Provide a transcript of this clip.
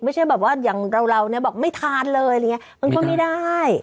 ไม่ใช่แบบว่าอย่างเราบอกไม่ทานเลยมันก็ไม่ได้